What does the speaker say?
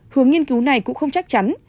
hướng nghiên cứu này cũng không chắc chắn